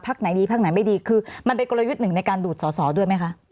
ไหนดีพักไหนไม่ดีคือมันเป็นกลยุทธ์หนึ่งในการดูดสอสอด้วยไหมคะ